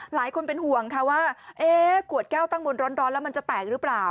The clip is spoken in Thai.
หลายคนเป็นห่วงค่ะว่าขวดแก้วตั้งบนร้อนแล้วมันจะแตกหรือเปล่า